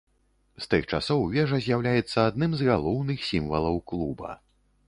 З тых часоў вежа з'яўляецца адным з галоўных сімвалаў клуба.